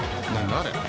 あれ。